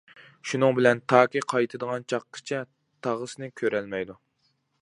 شۇنىڭ بىلەن تاكى قايتىدىغان چاغقىچە تاغىسىنى كۆرەلمەيدۇ.